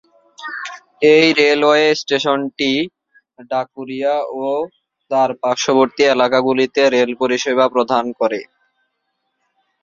এই রেলওয়ে স্টেশনটি ঢাকুরিয়া ও তার পার্শ্ববর্তী এলাকাগুলিতে রেল পরিষেবা প্রদান করে।